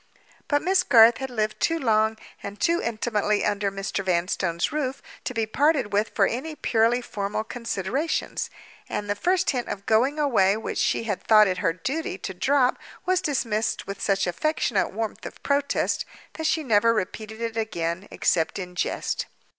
But Miss Garth had lived too long and too intimately under Mr. Vanstone's roof to be parted with for any purely formal considerations; and the first hint at going away which she had thought it her duty to drop was dismissed with such affectionate warmth of protest that she never repeated it again, except in jest.